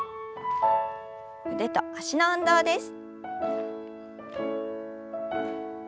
腕と脚の運動です。